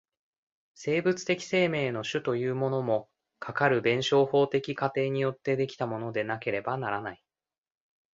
生物的生命の種というものも、かかる弁証法的過程によって出来たものでなければならない。